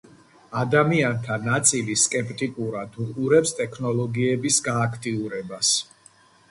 ადამიანთა ნაწილი სკეპტიკურად უყურებს ტექნოლოგიების გააქტიურებას